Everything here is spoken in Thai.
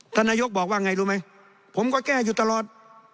นายกบอกว่าไงรู้ไหมผมก็แก้อยู่ตลอด